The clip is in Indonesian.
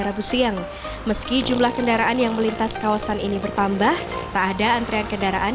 rabu siang meski jumlah kendaraan yang melintas kawasan ini bertambah tak ada antrian kendaraan